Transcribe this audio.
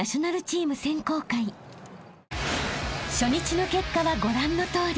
［初日の結果はご覧のとおり］